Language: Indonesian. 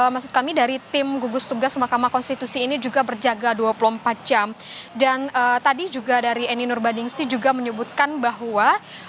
maksud kami dari tim gugus tugas mahkamah konstitusi ini juga berjaga dua puluh empat jam dan tadi juga dari eni nurbandingsi juga menyebutkan bahwa